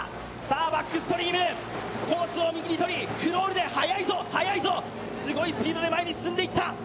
バックストリーム、コースを見切りクロールで、はやいぞ、すごいスピードで前に進んでいった。